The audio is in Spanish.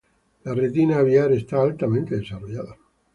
La retina aviar está altamente desarrollada.